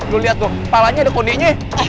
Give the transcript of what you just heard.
lo lihat tuh palanya ada kondeknya